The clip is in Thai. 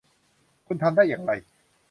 คุณทำได้อย่างไร ?